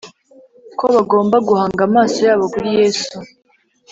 ko bagomba guhanga amaso yabo kuri Yesu